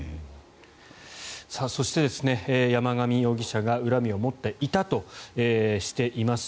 そして山上容疑者が恨みを持っていたとしています